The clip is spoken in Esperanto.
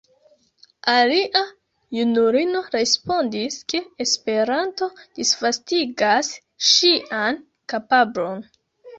Alia junulino respondis, ke Esperanto disvastigas ŝian kapablon.